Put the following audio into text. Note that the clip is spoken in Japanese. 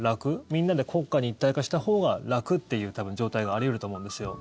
みんなで国家に一体化したほうが楽という状態があり得ると思うんですよ。